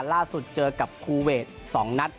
ล่าสุดเจอกับคูเวท๒นัด